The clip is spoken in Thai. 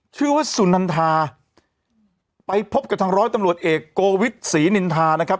ชื่อว่าสุนันทาไปพบกับทางร้อยตำรวจเอกโกวิทย์ศรีนินทานะครับ